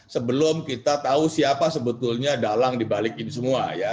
sebelum kita tahu siapa sebetulnya dalang dibalikin semua ya